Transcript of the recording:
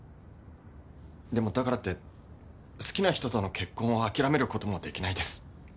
でもだからって好きな人との結婚を諦める事もできないです。